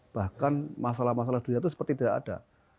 bahkan masalah masalah dunia itu seperti tidak ada